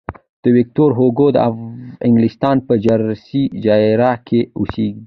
ویکتور هوګو د انګلستان په جرسي جزیره کې اوسېده.